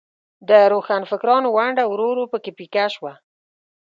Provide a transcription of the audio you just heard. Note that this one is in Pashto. د روښانفکرانو ونډه ورو ورو په کې پیکه شوه.